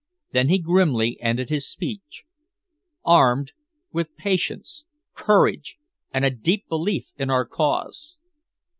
Then he grimly ended his speech: "Armed with patience, courage and a deep belief in our cause."